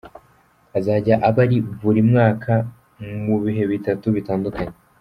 azajya aba buri mwaka mu bihe bitatu bitandukanye.